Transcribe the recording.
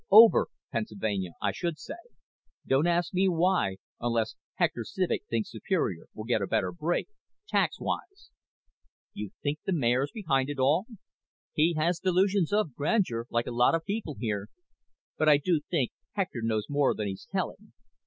Over Pennsylvania, I should say. Don't ask me why, unless Hector Civek thinks Superior will get a better break, taxwise." "You think the mayor's behind it all?" "He has his delusions of grandeur, like a lot of people here. But I do think Hector knows more than he's telling.